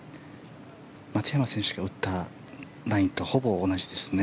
松山選手が打ったラインとほぼ同じですね。